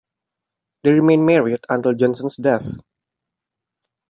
They remained married until Janssen's death.